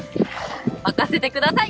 任せてください。